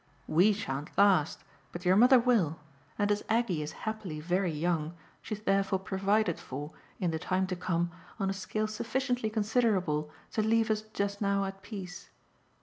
WE shan't last, but your mother will, and as Aggie is happily very young she's therefore provided for, in the time to come, on a scale sufficiently considerable to leave us just now at peace.